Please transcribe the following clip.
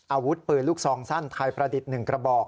อาวุธปืนลูกซองสั้นไทยประดิษฐ์๑กระบอก